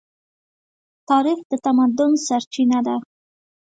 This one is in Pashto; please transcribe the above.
تاریخ د تمدن سرچینه ده.